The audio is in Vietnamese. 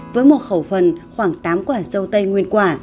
với một khẩu phần khoảng tám quả dâu tây nguyên quả